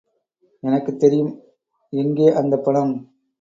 எனக்குத் தெரியும் எங்கே அந்த பணம்?